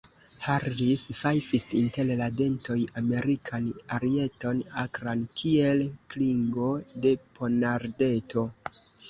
Harris fajfis inter la dentoj Amerikan arieton, akran kiel klingo de ponardeto.